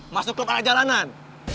masuk klub anak jalanan